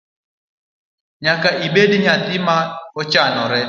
Nyaka ibed nyathi mo chanore.